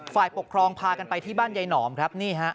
ฝ่ายปกครองพากันไปที่บ้านใยหนอมครับ